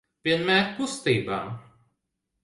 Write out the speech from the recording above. Vienmēr kustībā.